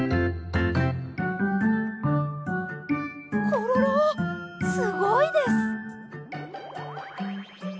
コロロすごいです！